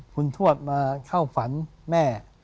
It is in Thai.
คุณทวดมาเข้าฝันแม่